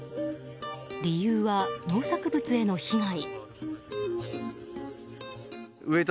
理由は、農作物への被害。